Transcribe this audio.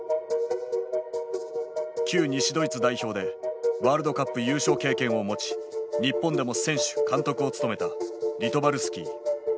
旧西ドイツ代表でワールドカップ優勝経験を持ち日本でも選手監督を務めたリトバルスキー。